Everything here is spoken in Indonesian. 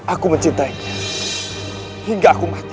aku mencintainya hingga aku mati